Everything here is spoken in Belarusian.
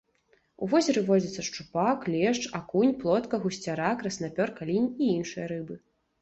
У возеры водзяцца шчупак, лешч, акунь, плотка, гусцяра, краснапёрка, лінь і іншыя рыбы.